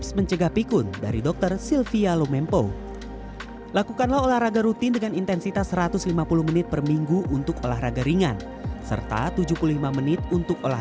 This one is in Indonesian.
jangan lupa olahraga jangan terlalu banyak bubuk